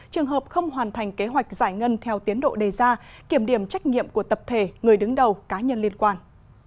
trường hợp không hoàn thành kế hoạch giải ngân theo tiến độ đề ra kiểm điểm trách nhiệm của tập thể người đứng đầu cá nhân liên quan